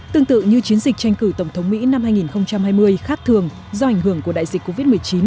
tương tự như chiến dịch tranh cử tổng thống mỹ năm hai nghìn hai mươi khác thường do ảnh hưởng của đại dịch covid một mươi chín